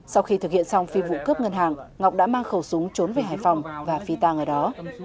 sau khi thực hiện xong phi vụ cướp ngân hàng ngọc đã mang khẩu súng trốn về hải phòng và phi tang ở đó